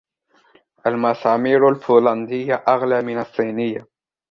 المسامير البولندية أغلى من الصينية.